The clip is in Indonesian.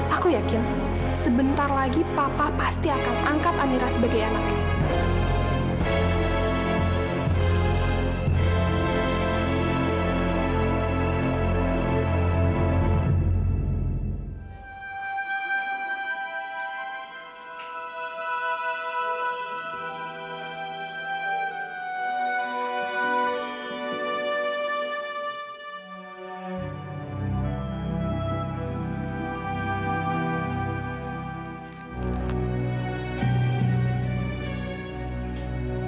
aku yakin sebentar lagi papa pasti akan angkat amira sebagai anaknya